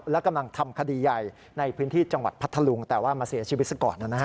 และกำลังทำคดีใหญ่ในพื้นที่จังหวัดพัทธลุงแต่ว่ามาเสียชีวิตซะก่อน